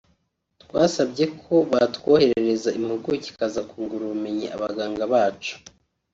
twasabye ko batwoherereza impuguke ikaza kungura ubumenyi abaganga bacu